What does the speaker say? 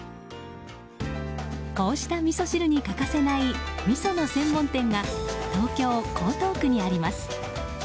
こうしたみそ汁に欠かせないみその専門店が東京・江東区にあります。